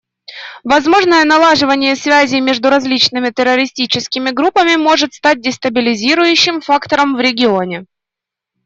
Возможное налаживание связей между различными террористическими группами может стать дестабилизирующим фактором в регионе.